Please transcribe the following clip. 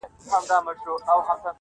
o پوليس کور پلټي او هر کونج ته ځي,